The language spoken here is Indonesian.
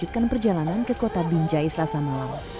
kepulangan perjalanan ke kota binjai selasa malang